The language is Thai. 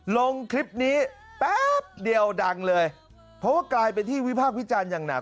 ลงคลิปนี้แป๊บเดียวดังเลยเพราะว่ากลายเป็นที่วิพากษ์วิจารณ์อย่างหนัก